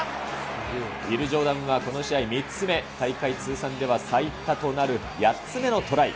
ウィル・ジョーダンはこの試合３つ目、大会通算では最多となる８つ目のトライ。